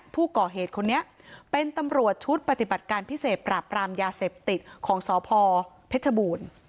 ผู้ก่อเหตุคนนี้เป็นตำรวจชุดปฏิบัติการพิเศษปราบรามยาเสพติดของสพเพชรบูรณ์